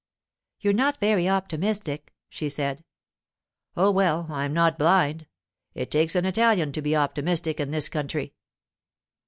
'You're not very optimistic,' she said. 'Oh, well, I'm not blind. It takes an Italian to be optimistic in this country.